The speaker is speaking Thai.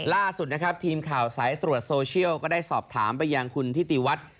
ล่าสุดนะครับทีมข่าวสายตรวจโซเชียลก็ได้สอบถามไปยังคุณทิติวัฒน์